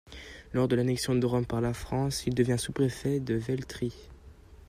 Lors de l'annexion de Rome par la France, il devient sous-préfet de Velletri.